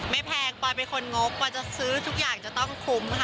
แพงปอยเป็นคนงบปอยจะซื้อทุกอย่างจะต้องคุ้มค่ะ